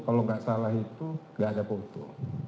kalau gak salah itu gak ada foto